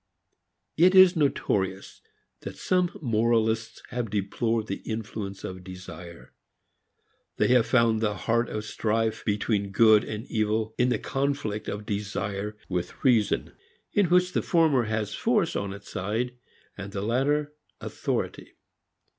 It is notorious that some moralists have deplored the influence of desire; they have found the heart of strife between good and evil in the conflict of desire with reason, in which the former has force on its side and the latter authority.